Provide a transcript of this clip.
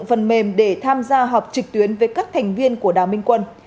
phần mềm để tham gia họp trực tuyến với các thành viên của đào minh quân